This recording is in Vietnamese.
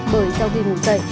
bởi sau khi buổi dậy